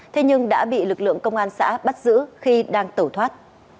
thế nhưng đã bị lực lượng công an xã bắt giữ khi đang tẩu thoát